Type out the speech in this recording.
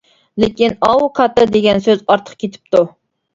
لېكىن ئاۋۇ «كاتتا» دېگەن سۆز ئارتۇق كېتىپتۇ.